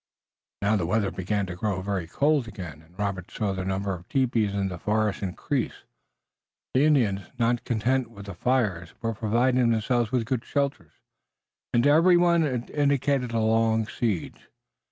Now the weather began to grow very cold again, and Robert saw the number of tepees in the forest increase. The Indians, not content with the fires, were providing themselves with good shelters, and to every one it indicated a long siege.